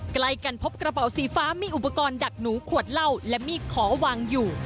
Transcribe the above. ใกล้กันพบกระเป๋าสีฟ้ามีอุปกรณ์ดักหนูขวดเหล้าและมีดขอวางอยู่